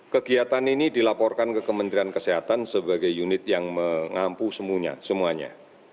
kegiatan ini dilaporkan ke kementerian kesehatan sebagai unit yang mengampu semuanya semuanya